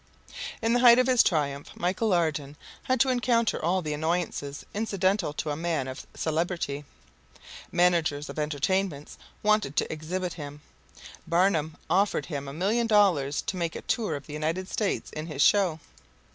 '" In the height of his triumph, Michel Ardan had to encounter all the annoyances incidental to a man of celebrity. Managers of entertainments wanted to exhibit him. Barnum offered him a million dollars to make a tour of the United States in his show.